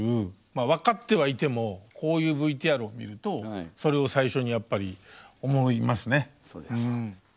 まあ分かってはいてもこういうＶＴＲを見るとそれを最初にやっぱり思いますね。